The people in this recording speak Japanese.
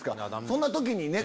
そんな時にね。